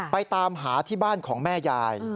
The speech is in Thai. ตามหาที่บ้านของแม่ยาย